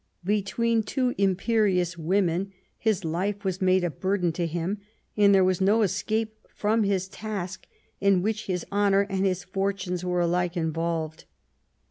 Between two imperious women his life was made a burden to him ; but there was no escape from his task, in which his honour and his fortunes were alike involved.